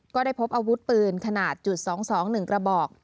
ก็ได้พบอาวุธปืนขนาดจุด๒๒๑กระบอก